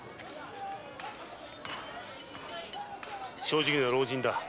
正直な老人だな。